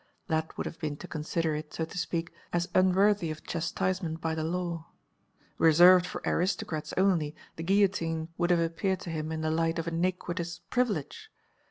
That would have been to consider it, so to speak, as unworthy of chastisement by the law. Reserved for aristocrats only, the guillotine would have appeared to him in the light of an iniquitous privilege.